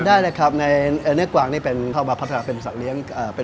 ได้เลยครับเนื้อกวางนี่เขามาพัฒนาเป็นสักเลี้ยง